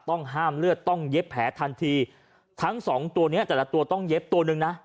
ต้องห้ามเลือดต้องเย็บแผลทันทีทั้งสองตัวเนี้ยแต่ละตัวต้องเย็บตัวหนึ่งนะ